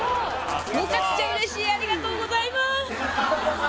めちゃくちゃうれしいありがとうございます